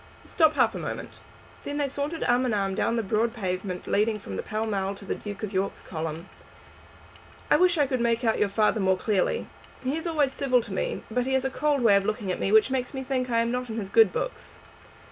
"Stop half a moment." Then they sauntered arm in arm down the broad pavement leading from Pall Mall to the Duke of York's column. "I wish I could make out your father more clearly. He is always civil to me, but he has a cold way of looking at me which makes me think I am not in his good books."